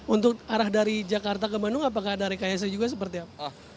untuk arah dari jakarta ke bandung apakah ada rekayasa juga seperti apa